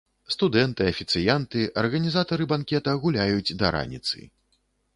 Студэнты, афіцыянты, арганізатары банкета гуляюць да раніцы.